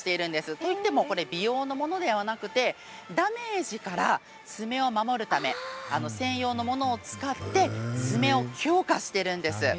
といっても美容のものではなくてダメージから爪を守るために専用のものを使って爪を強化しているんです。